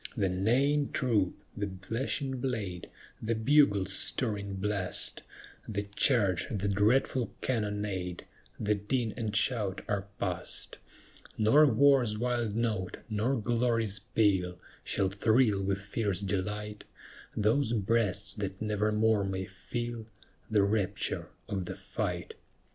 The neighing troop, the flashing blade, The bugle's stirring blast, The charge, the dreadful cannonade, The din and shout are past; Nor war's wild note, nor glory's peal, Shall thrill with fierce delight Those breasts that nevermore may feel The rapture of the fight.